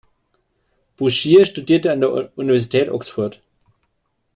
Bourchier studierte an der Universität Oxford.